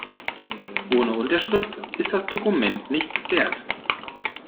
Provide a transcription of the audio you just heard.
Ohne Unterschrift ist das Dokument nichts wert.